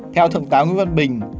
theo thượng tá nguyễn văn bình